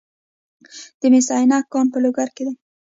د مس عینک کان په لوګر کې دی